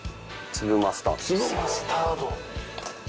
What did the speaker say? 粒マスタード。